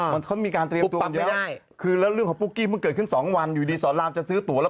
ขึ้นมาหลายเดือนกรับไม่ได้คือแล้วเรื่องของพูกี้ฮแบบกรัดขึ้น๒วันอยู่ดีสองลาภจะซื้อตั๋วละ